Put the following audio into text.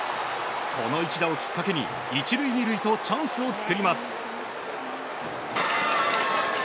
この一打をきっかけに１塁２塁とチャンスを作ります。